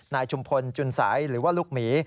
ชุมพลจุนสัยหรือว่าลูกหมี